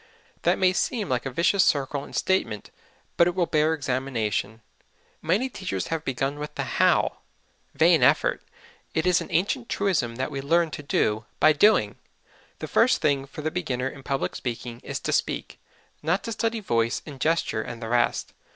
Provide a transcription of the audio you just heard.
That may seem like a vicious circle in statement, but it will bear examination. Many teachers have begun with the how. Vain effort! It is an ancient truism that we learn to do by doing. The first thing for the beginner in public speaking is to speak not to study voice and gesture and the rest.